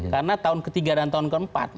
karena tahun ketiga dan tahun keempat